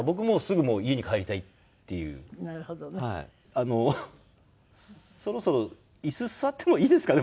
あのそろそろ椅子座ってもいいですかね？